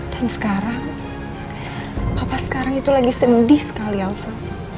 dan sekarang papa sekarang itu lagi sendih sekali alsa